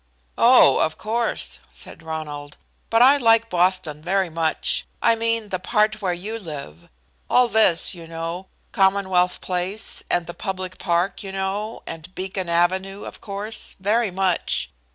"Oh, of course," said Ronald. "But I like Boston very much; I mean the part where you live. All this, you know Commonwealth Place, and the Public Park, you know, and Beacon Avenue, of course, very much.